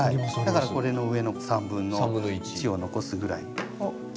だからこれの上の３分の１を残すぐらいを切っていきます。